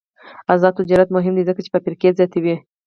آزاد تجارت مهم دی ځکه چې فابریکې زیاتوي.